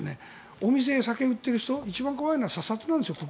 お店、酒を売っている人一番怖いのは国税庁の査察なんですよ。